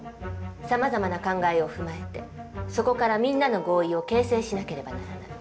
さまざまな考えを踏まえてそこからみんなの合意を形成しなければならない。